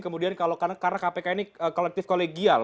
kemudian karena kpk ini kolektif kolegial